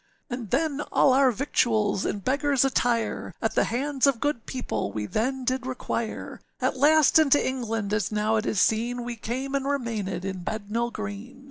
âAnd then all our victuals in beggarâs attire, At the hands of good people we then did require; At last into England, as now it is seen, We came, and remainèd in Bednall Green.